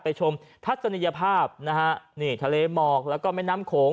ชมทัศนียภาพนะฮะนี่ทะเลหมอกแล้วก็แม่น้ำโขง